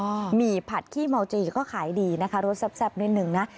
หมี่ผัดขี้เมาจีก็ขายดีนะคะรสแซ่บนิดหนึ่งนะ